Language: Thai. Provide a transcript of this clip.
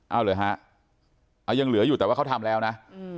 เอาเลยฮะเอายังเหลืออยู่แต่ว่าเขาทำแล้วนะ